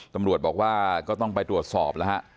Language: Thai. ตำรวจบอกว่าก็ต้องไปตรวจสอบแล้วฮะ